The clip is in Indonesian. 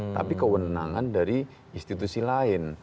tapi kewenangan dari institusi lain